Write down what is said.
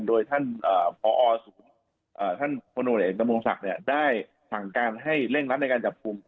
โดยท่านพศท่านพอเอกดำรงศักดิ์เนี่ยได้สั่งการให้เล่นรับในการจับกลุ่ม